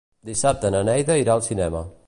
Dissabte na Neida irà al cinema.